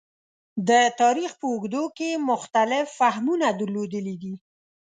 د تاریخ په اوږدو کې مختلف فهمونه درلودلي دي.